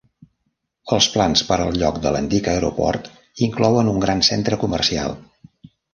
Els plans per al lloc de l'antic aeroport inclouen un gran centre comercial.